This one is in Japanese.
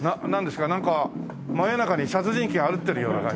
なんか真夜中に殺人鬼が歩いてるような感じ。